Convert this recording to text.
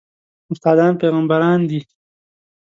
استادان پېغمبران دي